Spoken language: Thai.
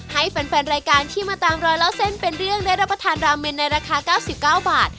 ให้แฟนรายการที่มาตามรอยเล่าเส้นเป็นเรื่องได้รับประทานราเมนในราคา๙๙บาท